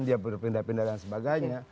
dia berpindah pindah dan sebagainya